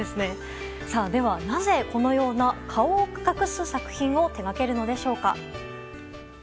では、なぜこのような顔を隠す作品を手掛けるのでしょうか。